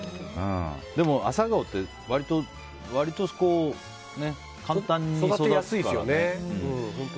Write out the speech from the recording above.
でもアサガオって割と簡単に育つからね。